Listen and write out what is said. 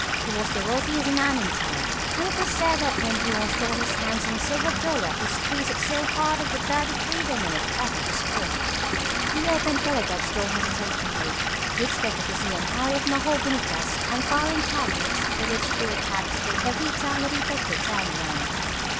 He was the wealthiest man in town, and it was said that when he once got his hands on a silver dollar he squeezed it so hard that the bird of freedom on it uttered a squawk. He opened Philo Gubb's door hesitatingly. He expected to see an array of mahogany desks and filing cabinets for which he would have to pay every time the detective turned around.